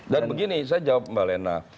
dan begini saya jawab mbak lena